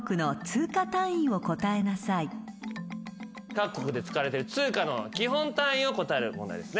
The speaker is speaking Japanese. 各国で使われてる通貨の基本単位を答える問題ですね。